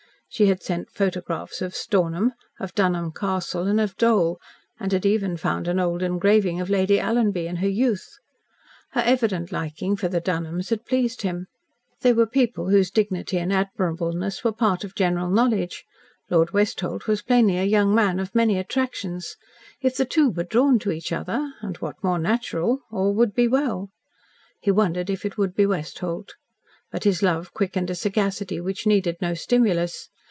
She had sent photographs of Stornham, of Dunholm Castle, and of Dole, and had even found an old engraving of Lady Alanby in her youth. Her evident liking for the Dunholms had pleased him. They were people whose dignity and admirableness were part of general knowledge. Lord Westholt was plainly a young man of many attractions. If the two were drawn to each other and what more natural all would be well. He wondered if it would be Westholt. But his love quickened a sagacity which needed no stimulus.